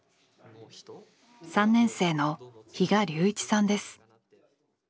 ３年生の比嘉隆一さんです。